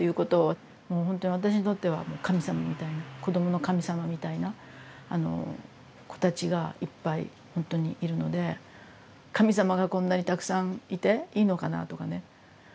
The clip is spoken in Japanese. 私ほんとに私にとっては神様みたいな子どもの神様みたいな子たちがいっぱいほんとにいるので神様がこんなにたくさんいていいのかなとかね。